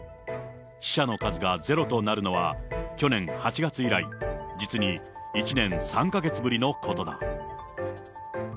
死者の数がゼロとなるのは、去年８月以来、実に１年３か月ぶりのことだ。